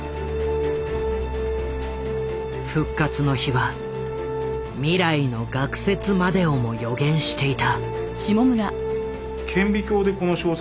「復活の日」は未来の学説までをも予言していた。